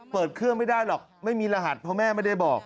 เปิดเครื่องไม่ได้หรอกไม่มีรหัสเพราะแม่ไม่ได้บอก